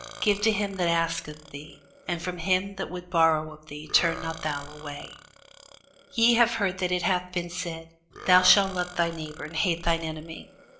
Give to him that asketh thee, and from him that would borrow of thee turn not thou away. Ye have heard that it hath been said, Thou shalt love thy neighbour, and hate thine enemy.